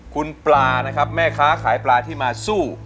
คุณปลานะครับแม่ค้าขายปลาที่มาสู้